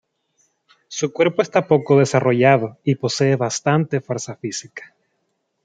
Su cuerpo está poco desarrollado y posee bastante fuerza física.